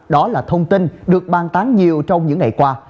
đó là thông tin được ban tán nhiều trong những ngày qua